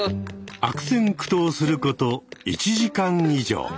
悪戦苦闘すること１時間以上。